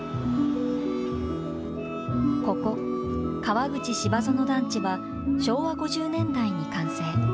ここ、川口芝園団地は昭和５０年代に完成。